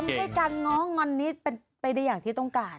ทำให้การงอนนี้เป็นอย่างที่ต้องการ